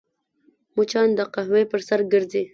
مچان د قهوې پر سر ګرځي